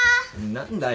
何だよ。